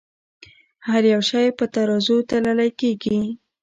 هر يو شے پۀ ترازو تللے کيږې